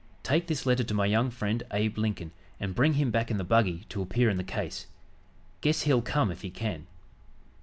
Take this letter to my young friend, Abe Lincoln, and bring him back in the buggy to appear in the case. Guess he'll come if he can."